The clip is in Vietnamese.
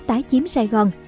tái chiếm sài gòn